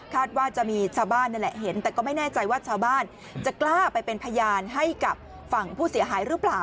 ว่าจะมีชาวบ้านนั่นแหละเห็นแต่ก็ไม่แน่ใจว่าชาวบ้านจะกล้าไปเป็นพยานให้กับฝั่งผู้เสียหายหรือเปล่า